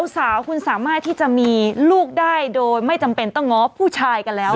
สาวคุณสามารถที่จะมีลูกได้โดยไม่จำเป็นต้องง้อผู้ชายกันแล้ว